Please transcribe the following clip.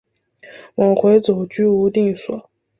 往回走居无定所